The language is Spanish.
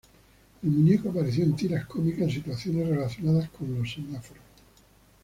El muñeco apareció en tiras cómicas en situaciones relacionadas con los semáforos.